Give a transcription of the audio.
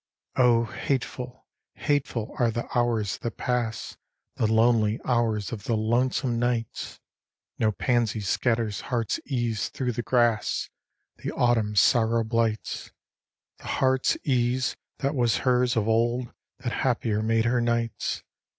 Oh, hateful, hateful are the hours that pass, The lonely hours of the lonesome nights! No pansy scatters heart's ease through the grass, That autumn sorrow blights, The heart's ease that was hers of old that happier made her nights.